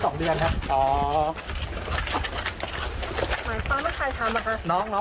พอตินี้เราทำบ่อยไหมครับ